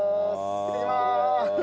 行ってきます。